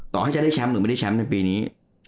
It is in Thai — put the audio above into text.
ให้จะได้แชมป์หรือไม่ได้แชมป์ในปีนี้